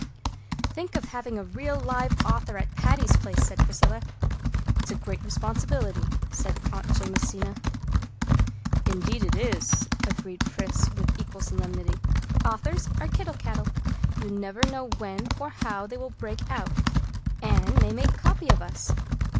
"Think of having a real live author at Patty's Place," said Priscilla. "It's a great responsibility," said Aunt Jamesina solemnly. "Indeed it is," agreed Pris with equal solemnity. "Authors are kittle cattle. You never know when or how they will break out. Anne may make copy of us."